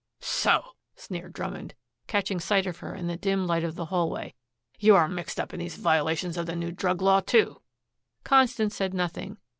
"So!" sneered Drummond, catching sight of her in the dim light of the hallway. "You are mixed up in these violations of the new drug law, too!" Constance said nothing.